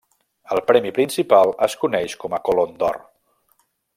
El premi principal es coneix com a Colón d'Or.